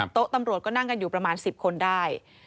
ตำรวจก็นั่งกันอยู่ประมาณ๑๐คนได้